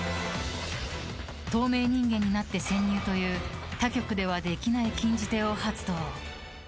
透明人間になって、潜入という他局ではできない禁じ手を発動！